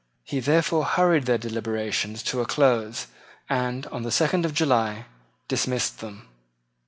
He therefore hurried their deliberations to a close, and, on the second of July, dismissed them.